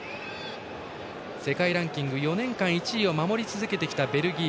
世界ランキング４年間１位を守り続けてきたベルギー。